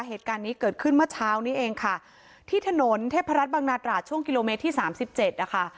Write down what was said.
เหตุการณ์นี้เกิดขึ้นเมื่อเช้านี้เองค่ะที่ถนนเทพรัฐบังนาตราช่วงกิโลเมตรที่สามสิบเจ็ดนะคะ